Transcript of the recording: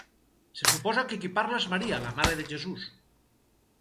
Se suposa que qui parla és Maria, la mare de Jesús.